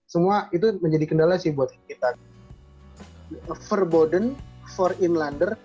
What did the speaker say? semua itu menjadi kendala sih buat kita